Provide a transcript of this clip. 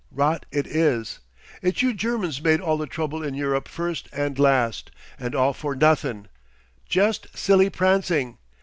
Rot it is! It's you Germans made all the trouble in Europe first and last. And all for nothin'. Jest silly prancing!